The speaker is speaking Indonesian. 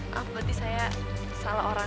maaf berarti saya salah orang